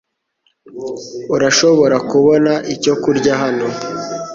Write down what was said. Urashobora kubona icyo kurya hano?